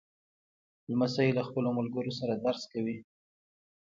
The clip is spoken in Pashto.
لمسی له خپلو ملګرو سره درس کوي.